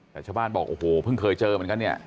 แต่ชาวบ้านบอกโอ้โหเพิ่งเคยเจอเหมือนกันเนี่ย